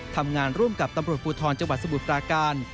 ทำงานร่วมกับตำรวจภูทรจังหวัดสมุทรปราการ